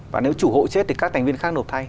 và nếu chủ hộ chết thì các thành viên khác nộp thay